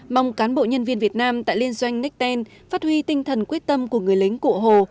mong cán bộ nhân viên việt nam tại liên doanh necten phát huy tinh thần quyết tâm của người lính cụ hồ